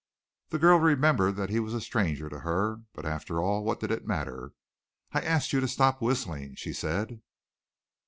The girl remembered that he was a stranger to her, but after all, what did it matter? "I asked you to stop whistling," she said.